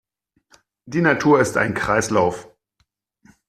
Die Natur ist ein Kreislauf.